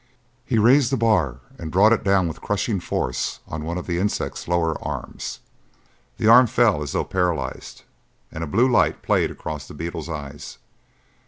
He raised the bar and brought it down with crushing force on one of the insect's lower arms. The arm fell as though paralyzed and a blue light played across the beetle's eyes.